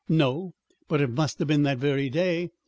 "No. But it must have been that very day.